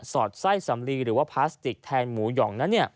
อดไส้สำลีหรือว่าพลาสติกแทนหมูหย่องนั้น